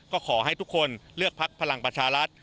ก็ขอให้ทุกคนเลือกพักพลังประชารัฐ